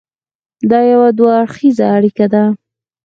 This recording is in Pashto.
دا یو دوه اړخیزه اړیکه ده.